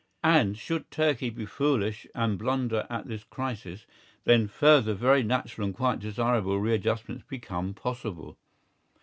And should Turkey be foolish and blunder at this crisis, then further very natural and quite desirable readjustments become possible.